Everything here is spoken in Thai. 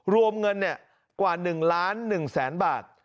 รวมเงินกว่า๑ล้าน๑แสนบาท